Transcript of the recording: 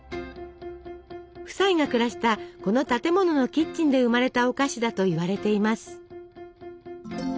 夫妻が暮らしたこの建物のキッチンで生まれたお菓子だといわれています。